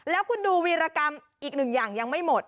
แล้วคุณดูวีรกรรมอีกหนึ่งอย่างยังไม่หมด